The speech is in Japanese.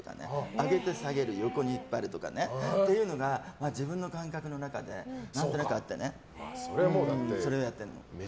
上げて下げる横に引っ張るというのが自分の感覚の中で何となくあってそれをやってるの。